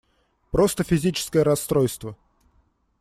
Просто физическое расстройство!